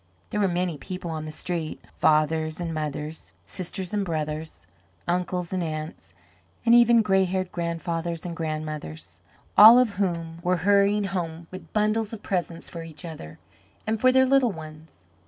There were many people on the street, fathers and mothers, sisters and brothers, uncles and aunts, and even gray haired grandfathers and grandmothers, all of whom were hurrying home with bundles of presents for each other and for their little ones.